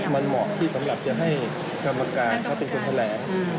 มันเหมาะที่สำหรับจะให้กรรมการเขาเป็นคนแถลง